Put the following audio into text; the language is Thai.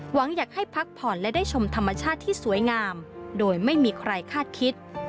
หวังอยากให้พักผ่อนและได้ชมธรรมชาติที่สวยงามโดยไม่มีใครคาดคิด